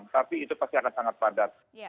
tapi itu pasti akan sangat padat